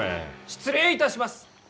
失礼いたします。